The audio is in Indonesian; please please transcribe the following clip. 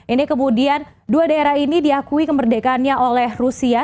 ini kemudian dua daerah ini diakui kemerdekaannya oleh rusia